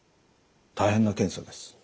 大変な検査です。